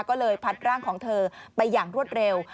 ก็เลยพัดร่างของเธอไปอย่างรวดเร็ว